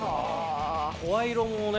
声色もね